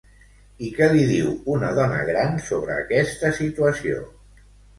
I què li diu una dona gran sobre aquesta situació?